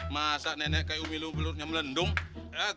masa nenek kayak umi lo belurnya melendung